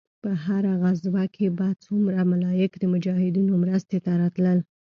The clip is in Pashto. په هره غزوه کښې به څومره ملايک د مجاهدينو مرستې ته راتلل.